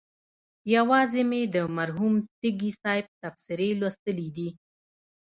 یوازې مې د مرحوم تږي صاحب تبصرې لوستلي دي.